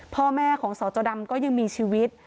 พ่อแม่ของสจดำก็ยังมีชีวิต